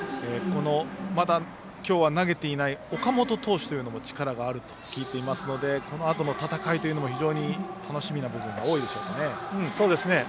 まだきょうは投げていない岡本投手というのも力があると聞いていますのでこのあとの戦いも非常に楽しみな部分が多いですね。